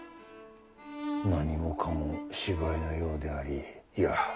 何もかも芝居のようでありいや